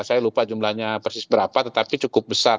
saya lupa jumlahnya persis berapa tetapi cukup besar